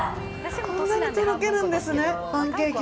こんなにとろけるんですね